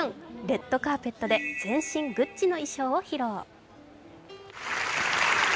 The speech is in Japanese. レッドカーペットで全身グッチの衣装を披露。